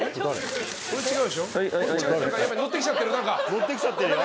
乗ってきちゃってるよ。